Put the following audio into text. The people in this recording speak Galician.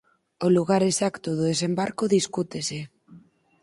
O lugar exacto do desembarco discútese.